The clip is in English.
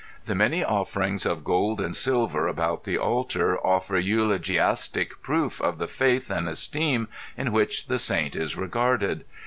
The many offerings of gold and silver about the altar offer eulogiastic proof of the faith and esteem in which the saint is regarded.